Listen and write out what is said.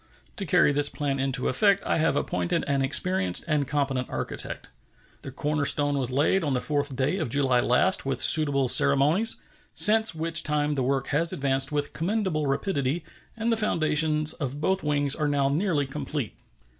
To carry this plan into effect I have appointed an experienced and competent architect. The corner stone was laid on the 4th day of July last with suitable ceremonies, since which time the work has advanced with commendable rapidity, and the foundations of both wings are now nearly complete.